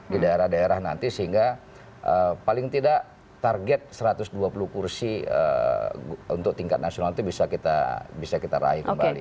di daerah daerah nanti sehingga paling tidak target satu ratus dua puluh kursi untuk tingkat nasional itu bisa kita raih kembali